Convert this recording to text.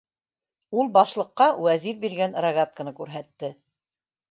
Ул Башлыҡҡа Вәзир биргән рогатканы күрһәтте.